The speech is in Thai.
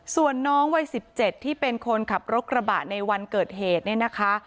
ส่วนน้องวัย๑๗ที่เป็นคนขับรถกระบะในวันเกิดเหตุเนี่ยนะคะ